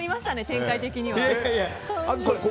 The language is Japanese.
展開的には。